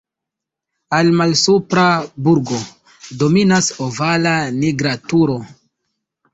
Al "Malsupra burgo" dominas ovala "Nigra turo".